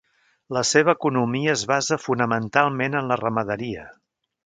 La seva economia es basa fonamentalment en la ramaderia.